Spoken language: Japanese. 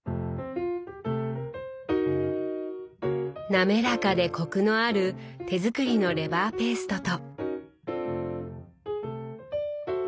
滑らかでコクのある手作りのレバーペーストと。